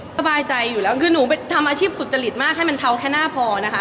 สบายใจอยู่แล้วคือหนูไปทำอาชีพสุจริตมากให้มันเทาแค่หน้าพอนะคะ